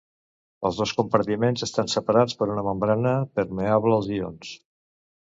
Els dos compartiments estan separats per una membrana permeable als ions.